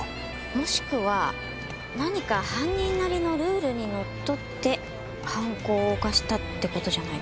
もしくは何か犯人なりのルールにのっとって犯行を犯したって事じゃないですかね？